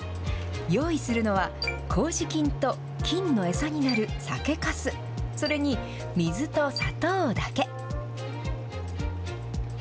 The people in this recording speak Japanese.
用意するのは、こうじ菌と、菌の餌になる酒かす、それに水と砂糖だけ。